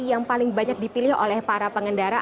yang paling banyak dipilih oleh para pengendara